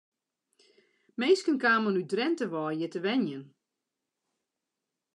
Minsken kamen út Drinte wei hjir te wenjen.